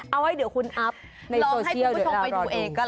เอาให้เดี๋ยวคุณอัพในโซเชียลเดี๋ยวเราดู